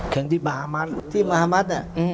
ครั้งที่บาฮะมัส